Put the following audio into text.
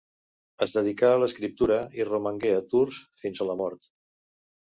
Es dedicà a l'escriptura, i romangué a Tours fins a la mort.